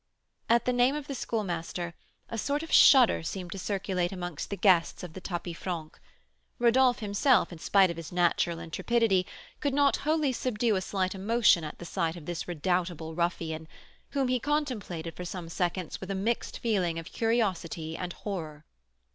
At the name of the Schoolmaster, a sort of shudder seemed to circulate amongst the guests of the tapis franc. Rodolph, himself, in spite of his natural intrepidity, could not wholly subdue a slight emotion at the sight of this redoubtable ruffian, whom he contemplated for some seconds with a mixed feeling of curiosity and horror.